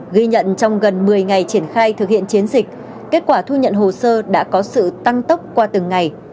gần một mươi ngày triển khai thực hiện chiến dịch kết quả thu nhận hồ sơ đã có sự tăng tốc qua từng ngày